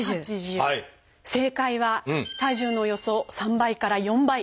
正解は体重のおよそ３倍から４倍！